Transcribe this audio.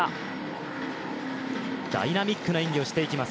ダイナミックな演技をしていきます。